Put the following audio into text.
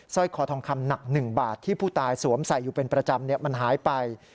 ร้อยคอทองคำหนัก๑บาทที่ผู้ตายสวมใส่อยู่เป็นประจำมันหายไป